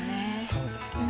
そうですね。